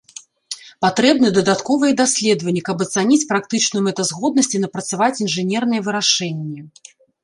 Патрэбны дадатковыя даследванні каб ацаніць практычную мэтазгоднасць і напрацаваць інжынерныя вырашэнні.